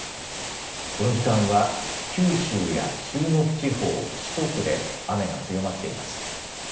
この時間は九州や中国地方、四国で雨が強まっています。